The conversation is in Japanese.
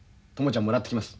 朋ちゃんもらっていきます。